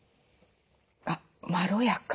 あっまろやか。